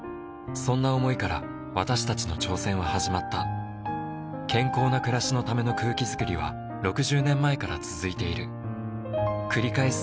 そんな想いから私たちの挑戦は始まった健康な暮らしのための空気づくりは６０年前から続いている繰り返す